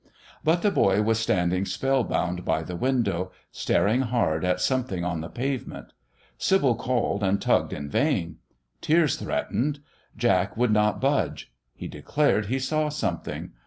But the boy was standing spellbound by the window, staring hard at something on the pavement. Sybil called and tugged in vain. Tears threatened. Jack would not budge. He declared he saw something.